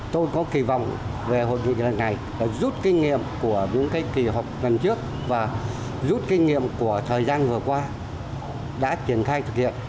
tôi có kỳ vọng về hội nghị lần này là rút kinh nghiệm của những kỳ họp lần trước và rút kinh nghiệm của thời gian vừa qua đã triển khai thực hiện